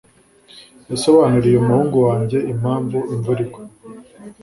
Yasobanuriye umuhungu wanjye impamvu imvura igwa.